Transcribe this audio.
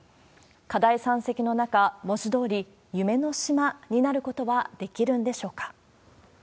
課題山積の中、文字どおり、夢の島になることはできるんでしょうか。